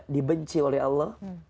dibenci oleh allah